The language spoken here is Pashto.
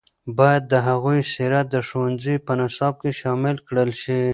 باید د هغوی سیرت د ښوونځیو په نصاب کې شامل کړل شي.